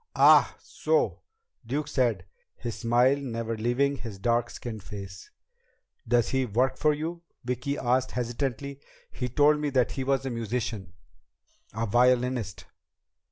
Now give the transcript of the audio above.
"Ah, so," Duke said, his smile never leaving his dark skinned face. "Does does he work for you?" Vicki asked hesitantly. "He told me that he was a musician, a violinist."